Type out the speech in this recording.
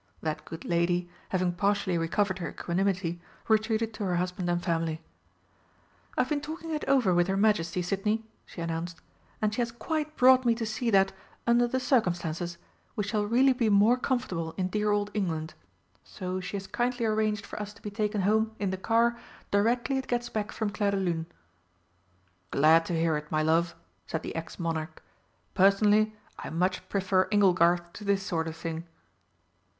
That good lady, having partially recovered her equanimity, retreated to her husband and family. "I've been talking it over with her Majesty, Sidney," she announced, "and she has quite brought me to see that, under the circumstances, we shall really be more comfortable in dear old England. So she has kindly arranged for us to be taken home in the car directly it gets back from Clairdelune." "Glad to hear it, my love," said the ex Monarch. "Personally, I much prefer 'Inglegarth' to this sort of thing."